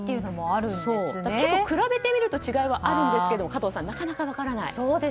比べてみると違いはあるんですけど加藤さん、なかなか分からない。